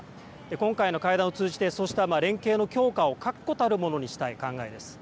今回の会談を通じて、そうした連携の強化を確固たるものにしたい考えです。